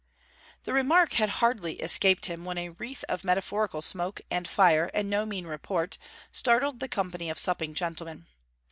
The remark had hardly escaped him when a wreath of metaphorical smoke, and fire, and no mean report, startled the company of supping gentlemen.